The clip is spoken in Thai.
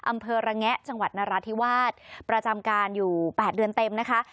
อำเภอระแงะจังหวัดนราธิวาสประจำการอยู่๘เดือนเต็มนะคะ